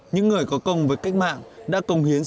những người có công với cách mạng đã công hiến